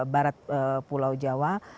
barat pulau jawa